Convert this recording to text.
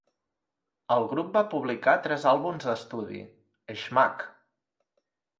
El grup va publicar tres àlbums d'estudi: Schmack!